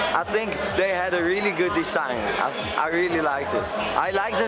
saya pikir mereka memiliki desain yang sangat bagus saya sangat suka